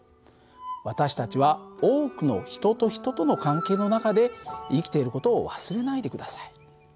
私たちは多くの人と人との関係の中で生きている事を忘れないで下さい。